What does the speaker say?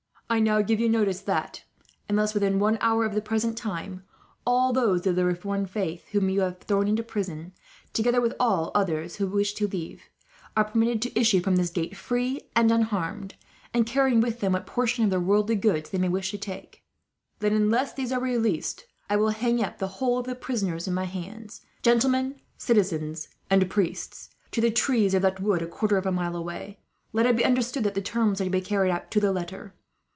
"I now give you notice that unless, within one hour of the present time, all those of the reformed faith whom you have thrown into prison, together with all others who wish to leave, are permitted to issue from this gate, free and unharmed, and carrying with them what portion of their worldly goods they may wish to take, I will hang up the whole of the prisoners in my hands gentlemen, citizens, and priests to the trees of that wood, a quarter of a mile away. Let it be understood that the terms are to be carried out to the letter.